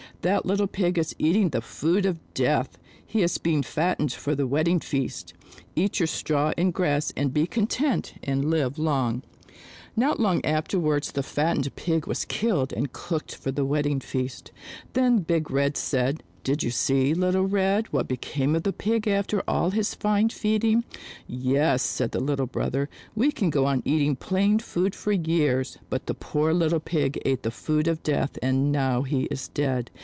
That little Pig is eating the food of death ! He is being fattened for the wedding feast. Eat your straw and grass and be content and live long." 74 c. 3 O CD Cu O B JATAKA TALES The fattened Pig was killed and cooked for the wedding feast. Not long afterwards the fattened Pig was killed and cooked for the wedding feast. Then Big Red said, "Did you see, Little Red, what became of the Pig after all his fine feeding?" "Yes," said the little brother, "we can go on eating plain food for years, but the poor little Pig ate the food of death and now he is dead.